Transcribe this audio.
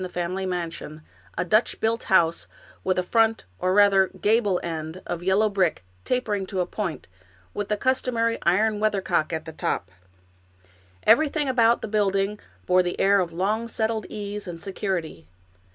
165 American Mystery Stories family mansion, — a Dutch built house, with a front, or rather gable end, of yellow brick, tapering to a point, with the customary iron weathercock at the top. Everything about the building bore the air of long settled ease and security.